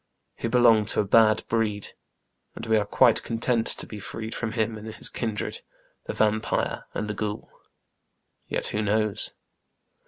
He belonged to a bad breed, and we are quite content to be freed from him and his kindred, the vampire and the ghoul. Yet who knows